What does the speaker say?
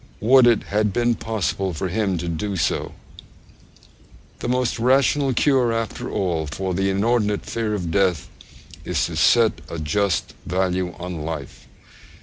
Would it had been possible for him to do so! The most rational cure after all for the inordinate fear of death is to set a just value on life.